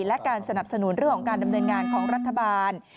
และการสนับสนุนเรื่องของการดำเนินงานของรัฐบาล